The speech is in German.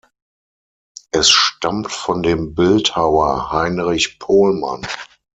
Es stammt von dem Bildhauer Heinrich Pohlmann.